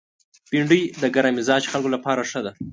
بېنډۍ د ګرم مزاج خلکو لپاره ښه ده